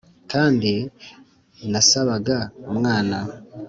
kandi nasabaga umwana,